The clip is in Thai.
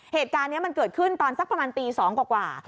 เหตุการณ์นี้มันเกิดขึ้นตอนสักประมาณตี๒กว่า